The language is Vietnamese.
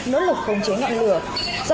nỗ lực khống chế ngọn lửa